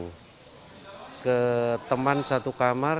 lalu ke teman satu kamar